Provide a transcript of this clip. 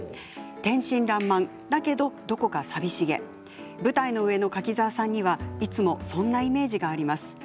天真らんまんだけど、どこか寂しげ舞台の上の柿澤さんにはいつもそんなイメージがあります。